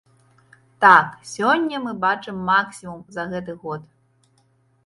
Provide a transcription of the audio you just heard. Так, сёння мы бачым максімум за гэты год.